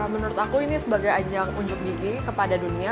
menurut aku ini sebagai ajang unjuk gigi kepada dunia